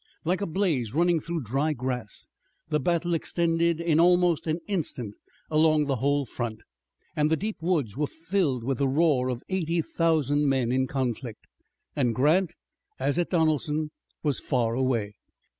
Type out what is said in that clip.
Like a blaze running through dry grass the battle extended in almost an instant along the whole front, and the deep woods were filled with the roar of eighty thousand men in conflict. And Grant, as at Donelson, was far away.